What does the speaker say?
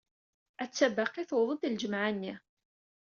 Atta baqi tewweḍ-d lǧemɛa-nni.